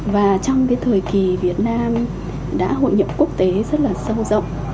và trong cái thời kỳ việt nam đã hội nhập quốc tế rất là sâu rộng